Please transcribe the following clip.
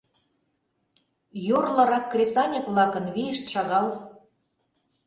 Йорлырак кресаньык-влакын вийышт шагал.